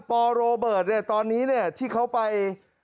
ปโรเบิร์ตตอนนี้ที่เขาไป